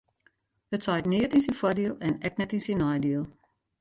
It seit neat yn syn foardiel en ek net yn syn neidiel.